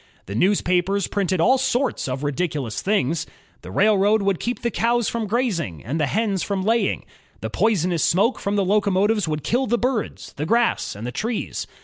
The newspapers printed all sorts of ridiculous things. The railroad would keep the cows from grazing and the hens from laying. The poisonous smoke from the locomotives would kill the birds, the grass, and the trees.